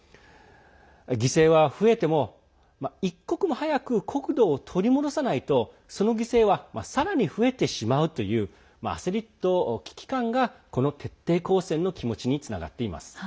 犠牲は増えても一刻も早く国土を取り戻さないとその犠牲はさらに増えてしまうという焦りと危機感がこの徹底抗戦の気持ちにつながっています。